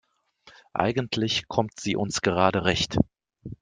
Eigentlich kommt sie uns gerade recht.